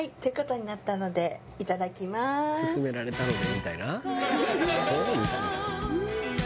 「勧められたのでみたいな？」